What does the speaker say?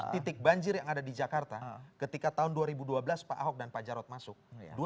titik banjir yang ada di jakarta ketika tahun dua ribu dua belas pak ahok dan pak jarod masuk